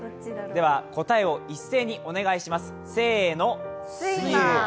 では答えを一斉にお願いします。